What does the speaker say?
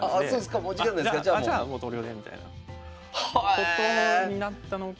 ことになったのか。